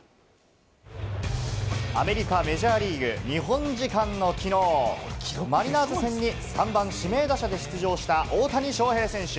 アメリカ・メジャーリーグ、日本時間の昨日、マリナーズ戦に３番指名打者で出場した大谷翔平選手。